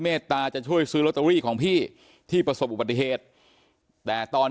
ตตาจะช่วยซื้อลอตเตอรี่ของพี่ที่ประสบอุบัติเหตุแต่ตอน